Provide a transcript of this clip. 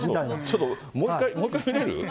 ちょっともう一回、もう一回見れる？